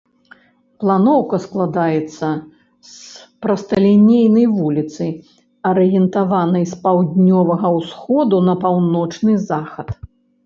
Планоўка складаецца з прасталінейнай вуліцы, арыентаванай з паўднёвага ўсходу на паўночны захад.